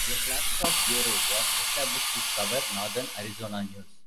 A Flagstaff bureau was established to cover Northern Arizona news.